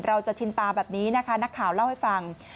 ชินตาแบบนี้นะคะนักข่าวเล่าให้ฟัง